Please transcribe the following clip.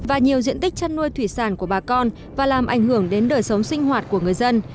và nhiều diện tích chăn nuôi thủy sản của bà con và làm ảnh hưởng đến đời sống sinh hoạt của người dân